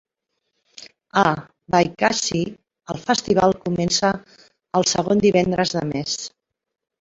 A Vaikasi, el festival comença el segon divendres de mes.